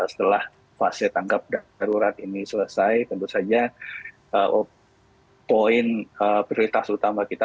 setelah fase tanggap darurat ini selesai tentu saja poin prioritas utama kita